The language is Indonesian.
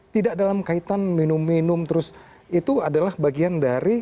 tidak dalam kaitan minum minum terus itu adalah bagian dari